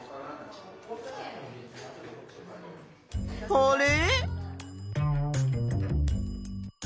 あれ？